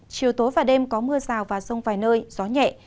chiều tối và đêm có mưa rào và rông vài nơi gió nhẹ